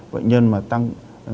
bệnh nhân mà tăng